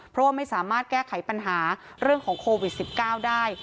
เพราะว่าไม่สามารถแก้ไขปัญหาเรื่องของโควิด๑๙ได้